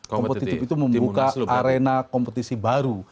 kompetitif itu membuka arena kompetisi baru